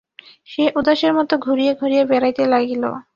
সে উদাসের মতো ঘুরিয়া ঘুরিয়া বেড়াইতে লাগিল।